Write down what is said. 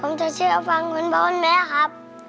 ผมจะเชื่อฟังคุณพ่อคุณแม่ครับ